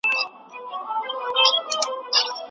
ایا ځايي کروندګر وچه الوچه اخلي؟